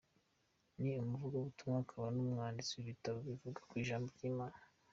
Ni umuvugabutumwa, akaba n’umwanditsi w’ibitabo bivuga ku ijambo ry’Imana.